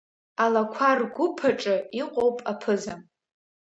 Алақәа ргәыԥ аҿы иҟоуп аԥыза.